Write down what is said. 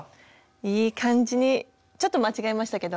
いい感じにちょっと間違えましたけど。